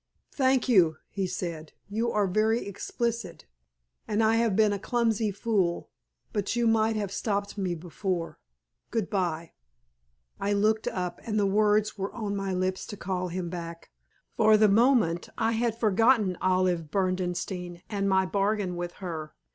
"Thank you," he said; "you are very explicit, and I have been a clumsy fool. But you might have stopped me before. Goodbye!" I looked up, and the words were on my lips to call him back. For the moment I had forgotten Olive Berdenstein and my bargain with her.